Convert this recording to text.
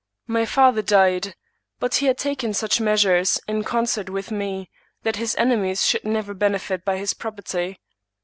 My father died ; but he had taken such measures, in concert with me, that his enemies should never benefit by his property.